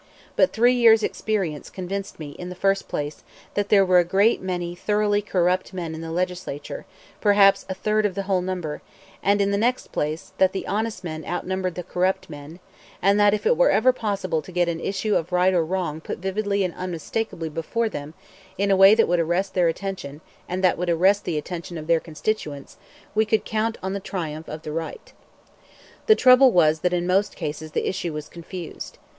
But three years' experience convinced me, in the first place, that there were a great many thoroughly corrupt men in the Legislature, perhaps a third of the whole number; and, in the next place, that the honest men outnumbered the corrupt men, and that, if it were ever possible to get an issue of right and wrong put vividly and unmistakably before them in a way that would arrest their attention and that would arrest the attention of their constituents, we could count on the triumph of the right. The trouble was that in most cases the issue was confused.